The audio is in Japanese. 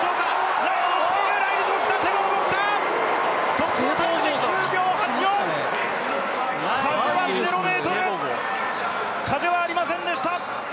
速報タイム９秒８４、風は０メートル、風はありませんでした。